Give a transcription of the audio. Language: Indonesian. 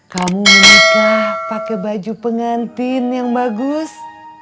kamu menikah pakai baju pengantin yang bagus